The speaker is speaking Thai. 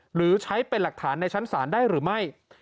หรือใช้เป็นหลักฐานในชั้นศาลได้หรือไม่